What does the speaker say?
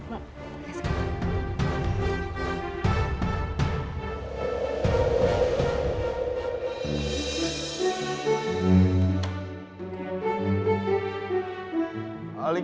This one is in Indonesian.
aku mau ke rumah reno